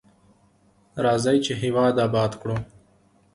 راځئ چې هیواد اباد کړو.